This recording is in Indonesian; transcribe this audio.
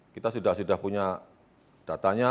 kita sudah punya datanya